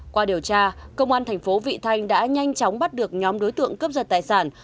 qua điều tra công an thành phố vị thanh đã nhanh chóng bắt được nhóm đối tượng cướp giật tài sản